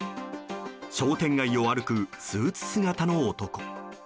商店街を歩くスーツ姿の男。